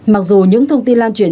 mặc dù những thông tin lan truyền